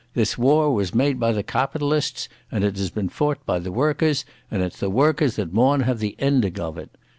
This war was made by the cawpitalists, and it has been fought by the workers, and it's the workers that maun have the ending of it.